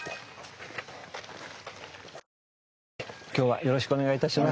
今日はよろしくお願いいたします。